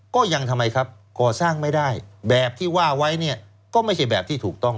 ทำไมครับก่อสร้างไม่ได้แบบที่ว่าไว้เนี่ยก็ไม่ใช่แบบที่ถูกต้อง